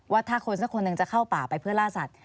ว่าถ้าคนสักคนหนึ่งจะเข้าป่าไปเพื่อล่าสัตว